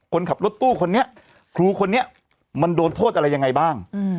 คนขับรถตู้คนนี้ครูคนนี้มันโดนโทษอะไรยังไงบ้าง